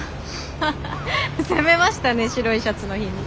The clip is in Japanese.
ハハ攻めましたね白いシャツの日に。